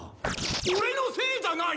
オレのせいじゃない！